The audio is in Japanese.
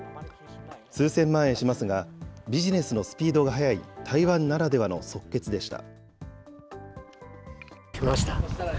数千万円しますが、ビジネスのスピードが速い台湾ならではの即決でした。